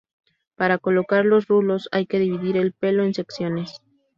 Para colocar los rulos hay que dividir el pelo en secciones.